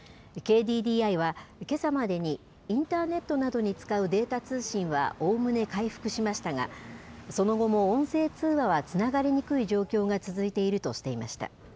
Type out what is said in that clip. ＫＤＤＩは、けさまでにインターネットなどに使うデータ通信はおおむね回復しましたが、その後も音声通話はつながりにくい状況が続いているとしていました。